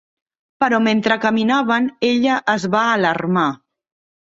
Però mentre caminaven ella es va alarmar.